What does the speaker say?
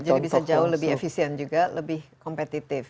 jadi bisa jauh lebih efisien juga lebih kompetitif